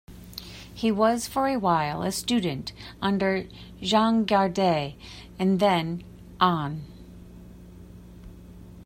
He was for a while a student under Jean Girardet, and then, on.